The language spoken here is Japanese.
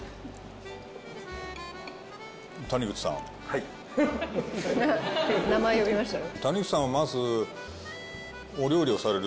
はい名前呼びましたよ